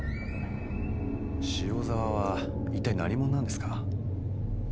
塩沢は一体何者なんですか？